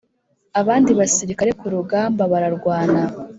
abandi basirikare ku rugamba bara rwana